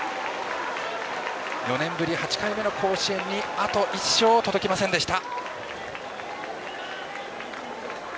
４年ぶり８回目の甲子園にあと１勝、届きませんでした。